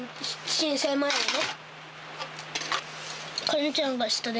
震災前はね。